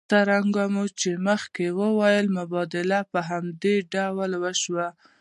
څرنګه مو چې مخکې وویل مبادله په همدې ډول وشوه